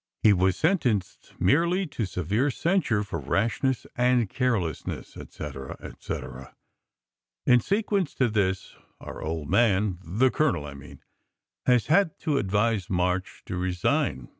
He was sentenced merely to severe censure for rashness and carelessness/ etc., etc. In sequence to this our Old Man the colonel, I mean has had to advise March to resign.